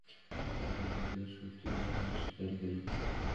আমরা আনন্দের সহিতই উহা স্বীকার করি।